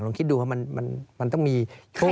ต้องคิดดูว่ามันมันต้องมีโชคดี